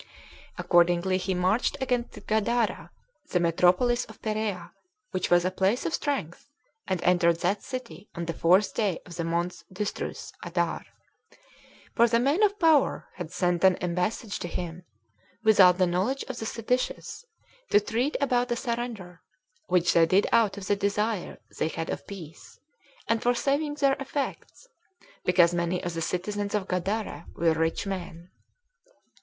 Accordingly, he marched against Gadara, the metropolis of Perea, which was a place of strength, and entered that city on the fourth day of the month Dystrus [Adar]; for the men of power had sent an embassage to him, without the knowledge of the seditious, to treat about a surrender; which they did out of the desire they had of peace, and for saving their effects, because many of the citizens of Gadara were rich men.